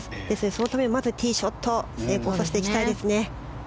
そのためにはまずティーショット成功させていきたいですね。